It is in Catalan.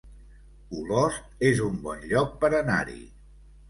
Olost es un bon lloc per anar-hi